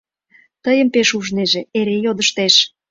Тыйым пеш ужнеже: эре йодыштеш...